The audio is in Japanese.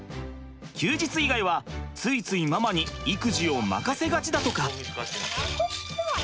休日以外はついついママに育児を任せがちだとか。